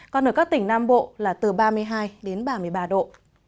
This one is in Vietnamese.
còn ở các tỉnh nam bộ là từ ba mươi hai đến ba mươi ba độ